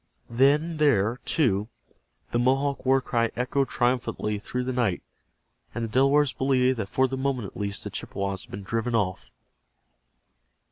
Then there, too, the Mohawk war cry echoed triumphantly through the night, and the Delawares believed that for the moment at least the Chippewas had been driven off.